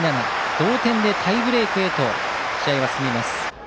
同点、タイブレークで試合は進みます。